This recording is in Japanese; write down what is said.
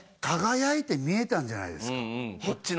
輝いて見えたんじゃないですかえっ？